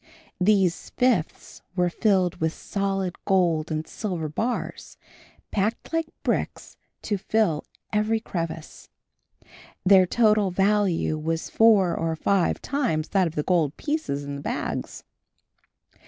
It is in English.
These fifths were filled with solid gold and silver bars, packed like bricks to fill every crevice. Their total value was four or five times that of the gold pieces in the bags.